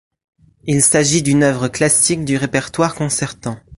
Il s'agit d'une œuvre classique du répertoire concertant.